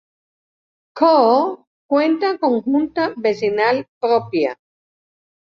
Coo cuenta con Junta vecinal propia.